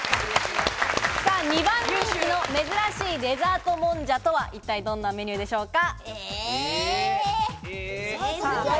２番人気の珍しいデザートもんじゃとは、一体どんなメニューでしょうか？